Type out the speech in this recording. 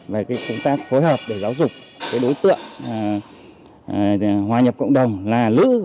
về công tác phối hợp để giáo dục đối tượng hòa nhập cộng đồng là nữ và phụ nữ